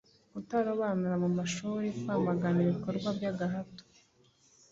kutarobanura mu mashuri, kwamagana ibikorwa by'agahato,